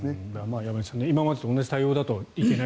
山口さん、今までと同じ対応だといけない。